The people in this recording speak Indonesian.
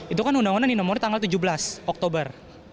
itu kan undang undang di nomor tanggal tujuh belas oktober